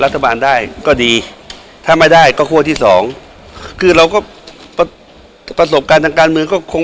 แล้วยอบรับไหมครับว่าหน้าคตใหม่มีการติดต่อมาและก็แสดงกับการแอดพระธรรมใด